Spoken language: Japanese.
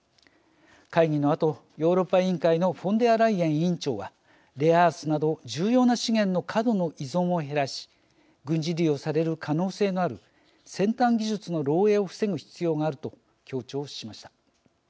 会議のあとヨーロッパ委員会のフォンデアライエン委員長は「レアアースなど重要な資源の過度の依存を減らし軍事利用される可能性のある先端技術の漏えいを防ぐ必要がある」と強調しました。